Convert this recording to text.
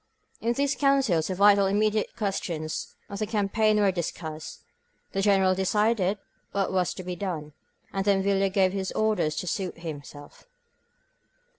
In these councils the vital immediate questions of the campaign were discussed, the Generals decided what was to be done, — and then Villa gave his orders to suit him self.